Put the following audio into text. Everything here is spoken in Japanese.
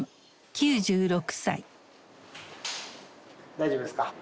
大丈夫ですか？